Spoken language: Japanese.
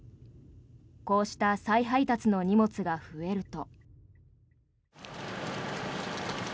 こうした再配達の荷物が増えると。